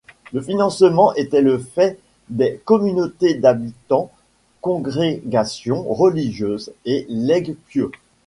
Le financement était le fait des communautés d’habitants, congrégations religieuses et legs pieux.